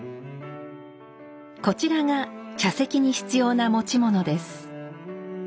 こちらが茶席に必要な持ち物です。